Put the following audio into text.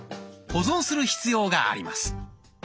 保存する必要があります。